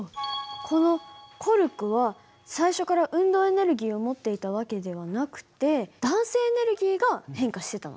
このコルクは最初から運動エネルギーを持っていた訳ではなくて弾性エネルギーが変化してたのね。